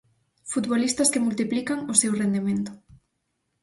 Futbolistas que multiplican o seu rendemento.